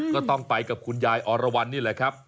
ก็ต้องไปกับคุณยายอรวรรณนี่แหละครับ